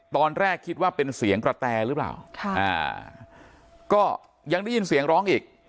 ตอนแรกคิดว่าเป็นเสียงกระแตหรือเปล่าก็ยังได้ยินเสียงร้องอีก